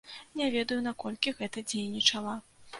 Не ведаю, наколькі гэта дзейнічала.